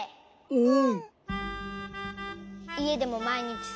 うん。